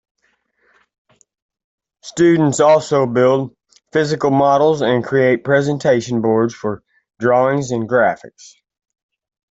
Students also build physical models and create presentation boards for drawings and graphics.